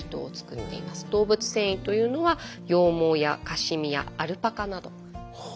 動物繊維というのは羊毛やカシミヤアルパカなど。